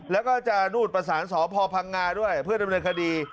แล้วก็จะนู่นประสานสพพังงาด้วยเพื่อดำเนินคดี